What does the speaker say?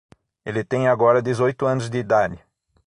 Ele tem agora dezoito anos de idade.